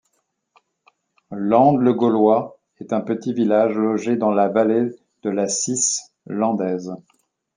Landes-le-Gaulois est un petit village logé dans la vallée de la Cisse Landaise.